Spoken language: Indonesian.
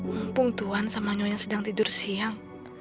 mumpung tuhan sama nyonya sedang tidur siang